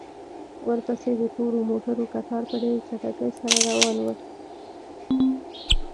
ورپسې د تورو موټرو کتار په ډېرې چټکۍ سره روان و.